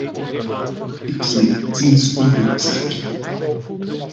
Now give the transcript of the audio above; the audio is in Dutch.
Dit is mijn inziens een goede zaak.